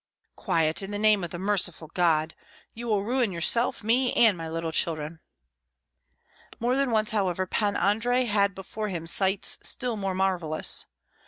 "Quiet, in the name of the Merciful God! you will ruin yourself, me, and my little children." More than once, however, Pan Andrei had before him sights still more marvellous.